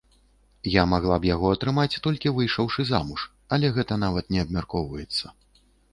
Я магла б яго атрымаць, толькі выйшаўшы замуж, але гэта нават не абмяркоўваецца.